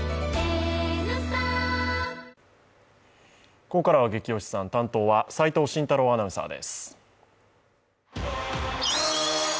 ここからはゲキ推しさん担当は齋藤慎太郎アナウンサーです。